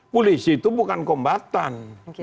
polisi itu bukan kombatan